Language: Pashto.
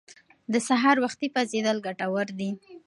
د سهار وختي پاڅیدل ګټور دي.